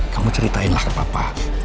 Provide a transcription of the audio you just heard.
kamu ceritainlah ke papa